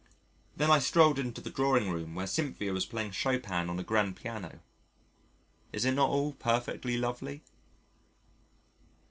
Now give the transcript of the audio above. Then I strolled into the drawing room where Cynthia was playing Chopin on a grand piano. Is it not all perfectly lovely?